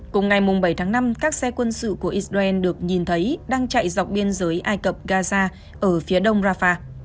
cùng ngày bảy tháng năm các xe quân sự của israel được nhìn thấy đang chạy dọc biên giới ai cập gaza ở phía đông rafah